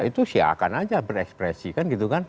itu siakan aja berekspresi kan gitu kan